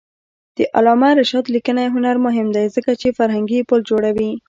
د علامه رشاد لیکنی هنر مهم دی ځکه چې فرهنګي پل جوړوي.